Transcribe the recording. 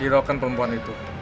hidupkan perempuan itu